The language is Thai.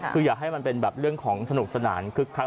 คืออยากให้มันเป็นแบบเรื่องของสนุกสนานคึกคัก